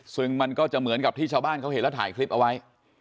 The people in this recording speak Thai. ซึ่งมันก็จะเหมือนกับที่ชาวบ้านเขาเห็นแล้วถ่ายคลิปเอาไว้